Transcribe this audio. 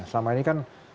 selama ini kan